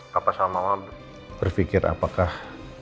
papa sama mama berpikir apakah